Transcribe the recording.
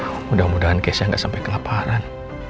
ya mudah mudahan keisha gak sampai kelaparan